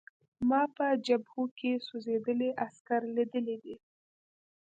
ما په جبهو کې سوځېدلي عسکر لیدلي دي